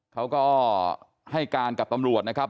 เขาก็ให้การกับตำรวจนะครับ